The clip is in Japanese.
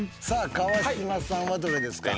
川島さんはどれですか？